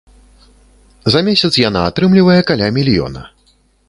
За месяц яна атрымлівае каля мільёна.